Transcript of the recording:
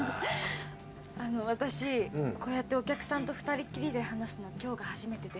あの私こうやってお客さんと２人っきりで話すの今日が初めてで。